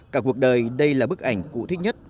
cả cuộc đời đây là bức ảnh cụ thích nhất